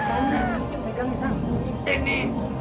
ada apa ini